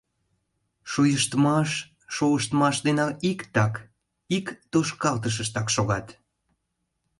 Шойыштмаш — шолыштмаш дене иктак, ик тошкалтышыштак шогат.